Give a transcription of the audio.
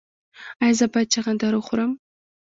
ایا زه باید چغندر وخورم؟